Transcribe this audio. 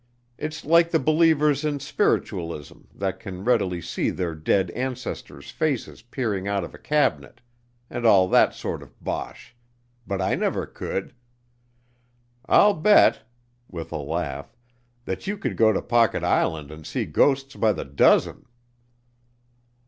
It's like the believers in spiritualism, that can readily see their dead ancestors' faces peering out of a cabinet, and all that sort of bosh, but I never could. I'll bet," with a laugh, "that you could go to Pocket Island and see ghosts by the dozen."